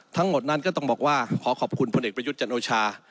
ทั้งหมดนั้นก็ต้องบอกว่าขอขอบคุณพลเอกประยุทธ์จันโอชา